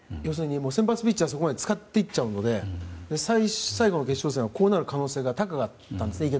先発ピッチャーをそこまでに使っていっちゃうので最後の決勝戦はこうなる可能性が高かったんですね。